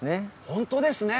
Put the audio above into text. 本当ですね。